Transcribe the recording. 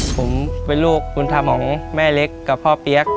ผมเป็นลูกบุญธรรมของแม่เล็กกับพ่อเปี๊ยก